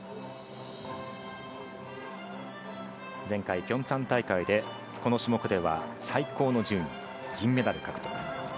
前回ピョンチャン大会でこの種目では最高の順位、銀メダル獲得。